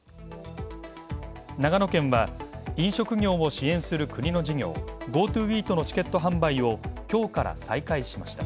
長野県は飲食業を支援する国の事業「ＧｏＴｏイート」のチケット販売をきょうから再開しました。